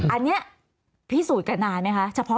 อันนี้พิสูจน์กันนานไหมคะ